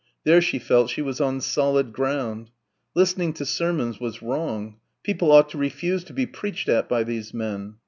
There she felt she was on solid ground. Listening to sermons was wrong ... people ought to refuse to be preached at by these men.